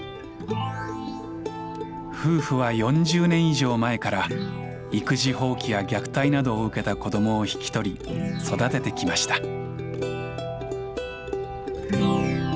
夫婦は４０年以上前から育児放棄や虐待などを受けた子どもを引き取り育ててきました。